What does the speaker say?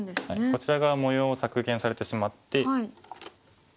こちら側模様を削減されてしまって。